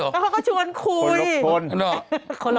แล้วเขาก็ชวนคุย